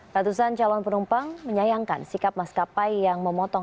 ratusan calon penumpang menyayangkan sikap maskapai yang memotong